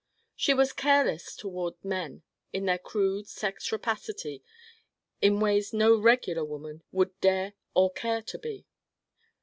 She was careless toward men in their crude sex rapacity in ways no 'regular' woman would dare or care to be.